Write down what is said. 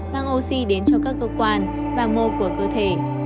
mang oxy đến cho các cơ quan và mô của cơ thể